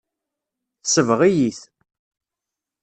Tesbeɣ-iyi-t.